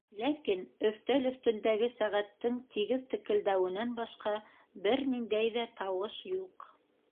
Ләкин өҫтәл өҫтөндәге сәғәттең тигеҙ текелдәүенән башҡа бер ниндәй ҙә тауыш юҡ.